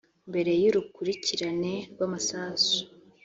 mbere y’urukurikirane rw’amasasu